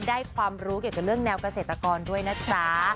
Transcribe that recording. ความรู้เกี่ยวกับเรื่องแนวเกษตรกรด้วยนะจ๊ะ